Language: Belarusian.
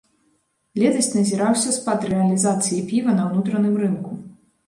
Летась назіраўся спад рэалізацыя піва на ўнутраным рынку.